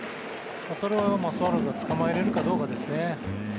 それをスワローズがつかまえられるかどうかですね。